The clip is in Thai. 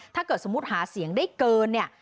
ถ้าเกิดสมมุติหาเสียงได้เกินเนี่ย